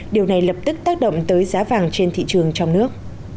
điều này lập tức tác động tới giá vàng trên thị trường trong nước